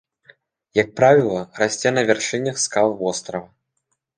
Як правіла, расце на вяршынях скал вострава.